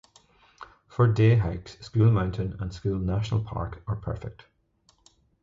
For dayhikes Skule Mountain and Skule National park are perfect.